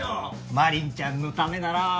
愛鈴ちゃんのためなら。